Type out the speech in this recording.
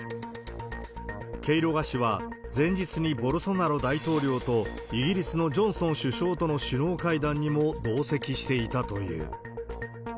ケイロガ氏は、前日にボルソナロ大統領と、イギリスのジョンソン首相との首脳会談にも同席していたという。